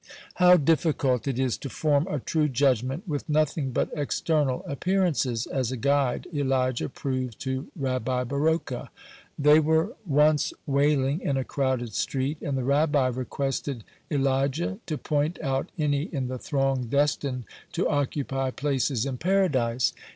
(94) How difficult it is to form a true judgment with nothing but external appearances as a guide, Elijah proved to Rabbi Baroka. They were once waling in a crowded street, and the Rabbi requested Elijah to point out any in the throng destined to occupy places in Paradise.